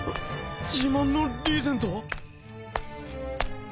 自慢のリーゼントは？